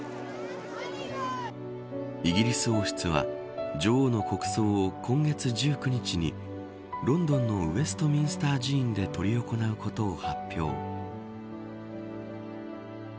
イギリス王室は女王の国葬を今月１９日にロンドンのウェストミンスター寺院で執り行うことを発表。